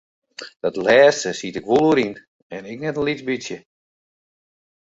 Dat lêste siet ik wol oer yn en ek net in lyts bytsje.